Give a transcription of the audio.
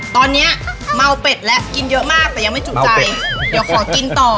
ตอนนี้เมาเป็ดแล้วกินเยอะมากแต่ยังไม่จุใจเดี๋ยวขอกินต่อ